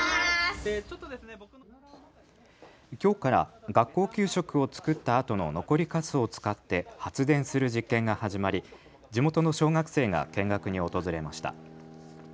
きょうから学校給食を作ったあとの残りかすを使って発電する実験が始まり地元の小学生が見学に訪れました。